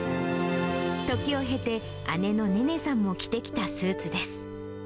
時を経て、姉のねねさんも着てきたスーツです。